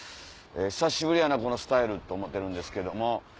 久しぶりやなこのスタイルと思うてるんですけども。